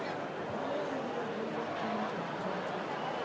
สวัสดีครับ